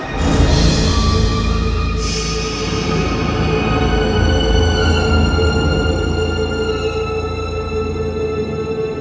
sampai jumpa di video selanjutnya